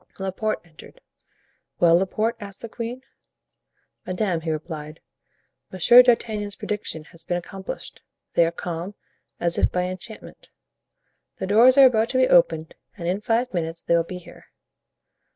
Laporte entered. "Well, Laporte?" asked the queen. "Madame," he replied, "Monsieur d'Artagnan's prediction has been accomplished; they are calm, as if by enchantment. The doors are about to be opened and in five minutes they will be here."